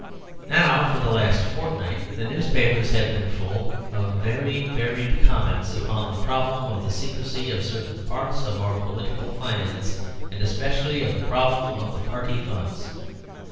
Now, for the last fortnight the newspapers have been full of very varied comments upon the problem of the secrecy of certain parts of our political finance, and especially of the problem of the party funds.